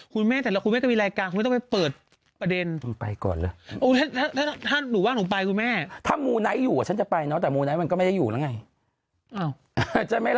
คุณแม่เผลอคุณแม่แบบนี้ก็มีรายการ